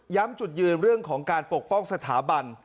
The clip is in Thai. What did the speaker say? จุดยืนเรื่องของการปกป้องสถาบัน